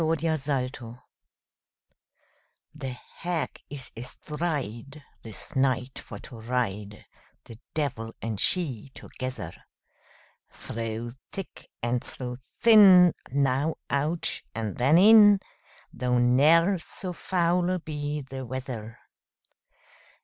THE HAG The Hag is astride, This night for to ride, The devil and she together; Through thick and through thin, Now out, and then in, Though ne'er so foul be the weather.